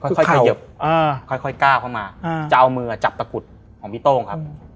ค่อยค่อยเข้าอ่าค่อยค่อยก้าวเข้ามาอืมจะเอามือจับตะกุดของพี่โต้งครับ